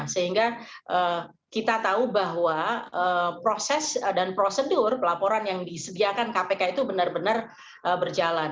sehingga kita tahu bahwa proses dan prosedur pelaporan yang disediakan kpk itu benar benar berjalan